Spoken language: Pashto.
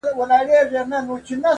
چي بوډا رخصتېدی له هسپتاله؛